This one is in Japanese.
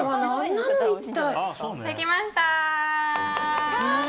できました！